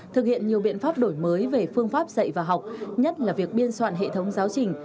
thực hiện nhiều biện pháp đổi mới về phương pháp dạy và học nhất là việc biên soạn hệ thống giáo trình